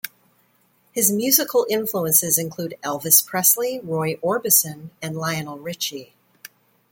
His musical influences include Elvis Presley, Roy Orbison and Lionel Richie.